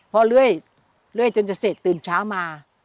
พอเลื่อยเลื่อยจนจะเสร็จตื่นเช้ามา